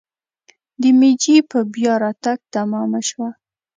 د میجي په بیا راتګ تمامه شوه.